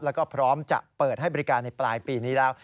แล้วก็พร้อมจะเปิดให้บริการในปลายปีนี้แล้ว